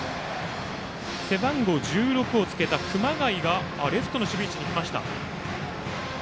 背番号１６をつけた熊谷がレフトの守備位置に来ました。